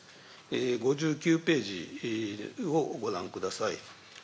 ５９ページをご覧ください。